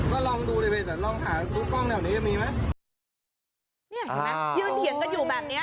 อยู่แหนะยืนเหี่ยงกันอยู่แบบนี้ค่ะ